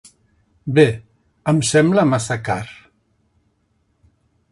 Bé, em sembla massa car.